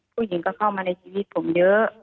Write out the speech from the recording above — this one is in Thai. ผู้หญิงก็เข้ามาในชีวิตผมเยอะ